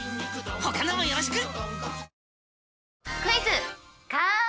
他のもよろしく！